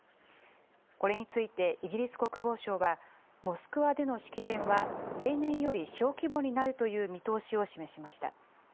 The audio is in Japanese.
これについてイギリス国防省は、モスクワでの式典は例年より小規模になるという見通しを示しました。